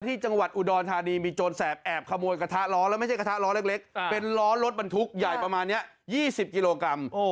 ที่จังหวัดอุดรธานีมีโจรแสบแอบขโมยกระทะล้อแล้วไม่ใช่กระทะล้อเล็กเป็นล้อรถบรรทุกใหญ่ประมาณนี้๒๐กิโลกรัม